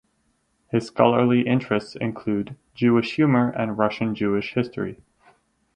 His scholarly interests include Jewish humour and Russian Jewish history.